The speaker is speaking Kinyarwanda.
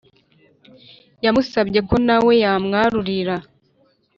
yamusabye ko nawe yamwarurira